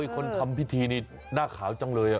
คนทำพิธีนี่หน้าขาวจังเลย